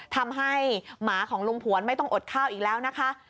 ทำให้หมาของลุงผวนไม่ต้องอดข้าวอีกแล้วนะคะ